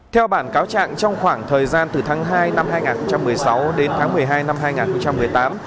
theo bản cáo trạng trong khoảng thời gian từ tháng hai năm hai nghìn một mươi sáu đến tháng một mươi hai năm hai nghìn một mươi tám